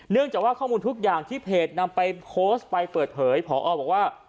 จากว่าข้อมูลทุกอย่างที่เพจนำไปโพสต์ไปเปิดเผยผอบอกว่า